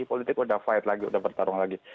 politik sudah fight lagi sudah bertarung lagi